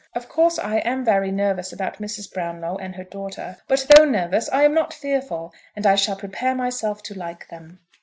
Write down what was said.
Of course I am very nervous about Mrs. Brownlow and her daughter; but though nervous I am not fearful; and I shall prepare myself to like them.